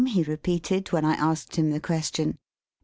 he repeated, when I asked him the question.